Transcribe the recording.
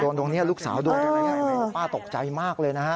โดนตรงนี้ลูกสาวโดนกันใหญ่ป้าตกใจมากเลยนะฮะ